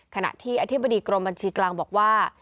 ขณะที่อธิบดีกรมบัญชีกลางบอกว่า